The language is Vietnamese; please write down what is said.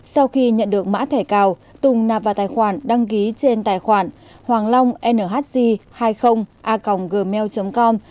sau khi nhận được mã thẻ cào tùng nạp vào tài khoản đăng ký trên tài khoản hoanglongnhc hai mươi a gmail com